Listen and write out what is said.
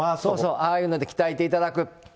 ああいうので鍛えていただく。